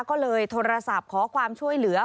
ก็เลยโทรศัพท์ขอความช่วยเหลือ